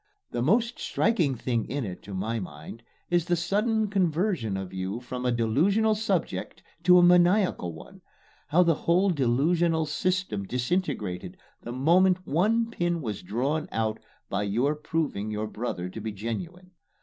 The most striking thing in it to my mind is the sudden conversion of you from a delusional subject to a maniacal one how the whole delusional system disintegrated the moment one pin was drawn out by your proving your brother to be genuine.